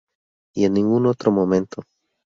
Y en ningún otro momento.